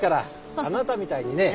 あなたみたいにね。